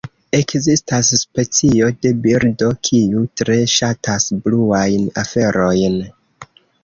Ekzistas specio de birdo kiu tre ŝatas bluajn aferojn.